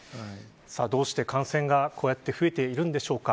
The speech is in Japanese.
どうして感染が増えているんでしょうか。